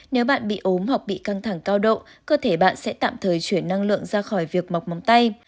nếu bạn bị ốm hoặc bị căng thẳng cao độ cơ thể bạn sẽ tạm thời chuyển năng lượng ra khỏi việc mọc móng tay